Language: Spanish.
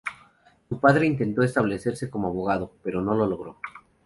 Su padre intentó establecerse como abogado, pero no lo logró.